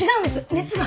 熱が。